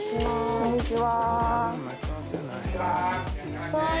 こんにちは。